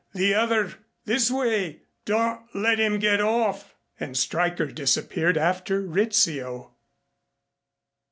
"The other this way. Don't let him get off." And Stryker disappeared after Rizzio.